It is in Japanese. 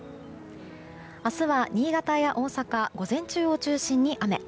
明日は新潟や大阪午前中を中心に雨。